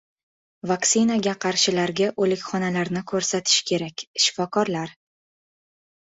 Vaksinaga qarshilarga o‘likxonalarni ko‘rsatish kerak - shifokorlar